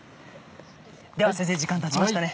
では先生時間たちましたね。